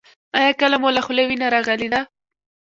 ایا کله مو له خولې وینه راغلې ده؟